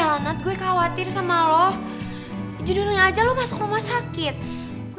lo udah keluar buru buru banget mau ke mana sih